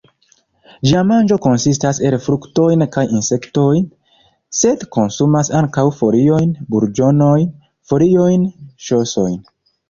Ĝia manĝo konsistas el fruktoj kaj insektoj, sed konsumas ankaŭ foliojn, burĝonojn, foliojn, ŝosojn.